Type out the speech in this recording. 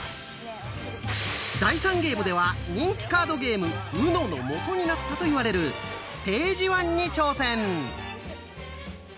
第３ゲームでは人気カードゲーム「ＵＮＯ」のもとになったと言われる「ページワン」に挑戦！